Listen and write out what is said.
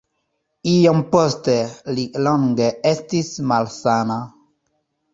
Iom poste li longe estis malsana.